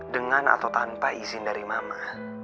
dengan atau tanpa izin dari mama